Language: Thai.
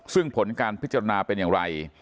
ซึ่งผลการพิจารณาเป็นอย่างไร